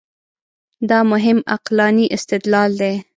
دا مهم عقلاني استدلال دی.